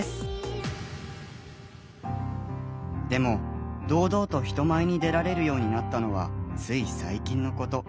でも堂々と人前に出られるようになったのはつい最近のこと。